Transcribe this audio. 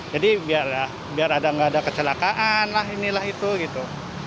jadi biar ada nggak ada kecelakaan lah inilah itu gitu